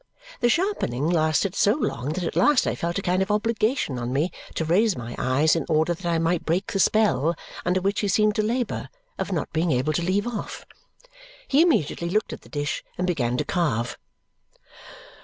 The sharpening lasted so long that at last I felt a kind of obligation on me to raise my eyes in order that I might break the spell under which he seemed to labour, of not being able to leave off. He immediately looked at the dish and began to carve.